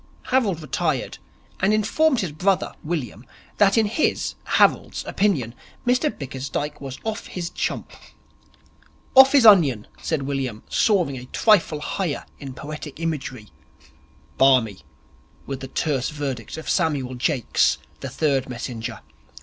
Harold retired and informed his brother, William, that in his, Harold's, opinion, Mr Bickersdyke was off his chump. 'Off his onion,' said William, soaring a trifle higher in poetic imagery. 'Barmy,' was the terse verdict of Samuel Jakes, the third messenger.